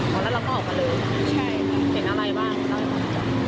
อ๋อแล้วเราก็ออกมาเลยใช่